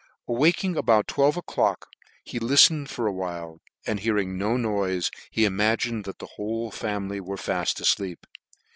Awaking about twelve o'clock he liflened for awhile, and hearing no noife, he imagined that the whole family were faft afleep.